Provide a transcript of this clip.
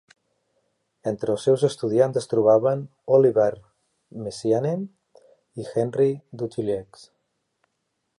Entre els seus estudiants es trobaven Olivier Messiaen i Henri Dutilleux.